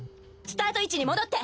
スタート位置に戻って。